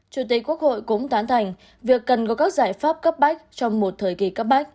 chủ tịch quốc hội cũng tán thành việc cần có các giải pháp cấp bách trong một thời kỳ cấp bách